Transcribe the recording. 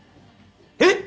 え！